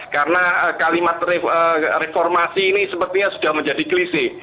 karena kalimat reformasi ini sepertinya sudah menjadi klise